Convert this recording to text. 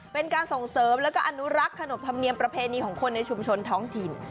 เป็นการส่งเสริมแล้วก็อนุรักษ์ขนบธรรมเนียมประเพณีของคนในชุมชนท้องถิ่น